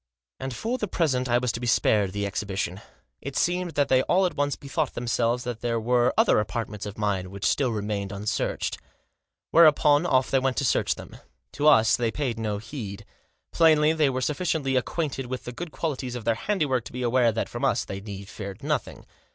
And for the present I was to be spared the exhibi tion. It seemed that they all at once bethought them selves that there were other apartments of mine which still remained unsearched. Whereupon off they went to search them. To us they paid no need. Plainly they were sufficiently acquainted with the good qualities of their handiwork to be aware that from us they need fear nothing.